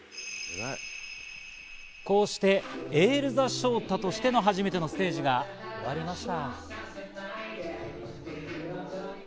こうして、ＡｉｌｅｔｈｅＳｈｏｔａとしての初めてのステージが終わりました。